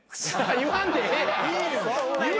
言わんでええやん。